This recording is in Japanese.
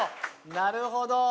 なるほど。